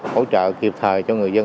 hỗ trợ kịp thời cho người dân